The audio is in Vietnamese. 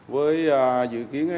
với dự kiến